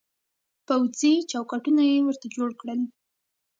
پوځي چوکاټونه يې ورته جوړ کړل.